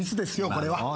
これは。